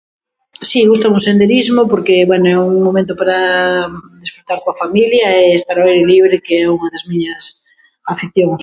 Si, gústame o senderismo porque, bueno, é un momento para estar coa familia e estar ao aire libre que unha das miñas aficcións.